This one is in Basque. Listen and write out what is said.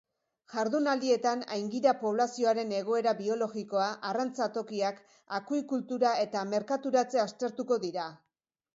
Jardunaldietan aingira poblazioaren egoera biologikoa, arrantza-tokiak, akuikultura eta merkaturatzea aztertuko dira.